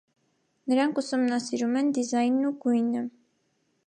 Նրանք ուսումնասիրում են դիզայնն ու գույնը։